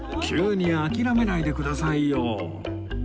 急に諦めないでくださいよ